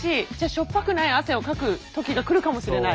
塩っぱくない汗をかく時が来るかもしれない。